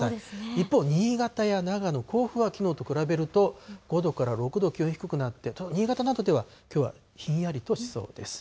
一方、新潟や長野、甲府はきのうと比べると５度から６度気温低くなって、新潟などでは、きょうはひんやりとしそうです。